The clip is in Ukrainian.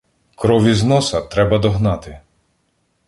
— Кров із носа — треба догнати!